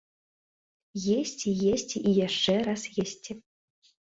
Есці, есці і яшчэ раз есці.